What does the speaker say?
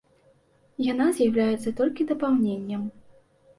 Яна з'яўляецца толькі дапаўненнем.